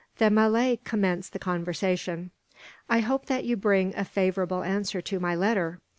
The Malay commenced the conversation. "I hope that you bring a favourable answer to my letter?"